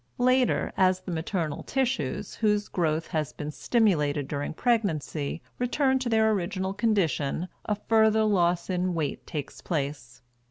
Later, as the maternal tissues, whose growth has been stimulated during pregnancy, return to their original condition, a further loss in weight takes place.